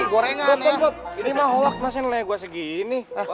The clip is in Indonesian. ini mah hoax mas yang nilainya gue segini